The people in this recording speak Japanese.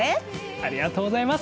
ありがとうございます。